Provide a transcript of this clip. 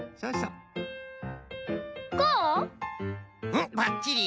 うんばっちり！